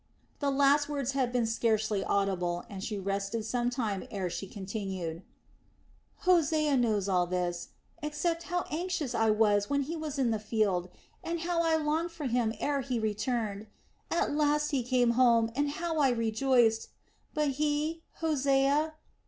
The last words had been scarcely audible, and she rested some time ere she continued: "Hosea knows all this, except how anxious I was when he was in the field, and how I longed for him ere he returned. At last, at last he came home, and how I rejoiced! But he, Hosea...?